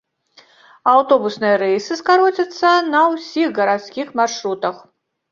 Аўтобусныя рэйсы скароцяцца на ўсіх гарадскіх маршрутах.